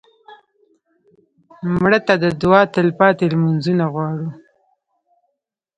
مړه ته د دعا تلپاتې لمونځونه غواړو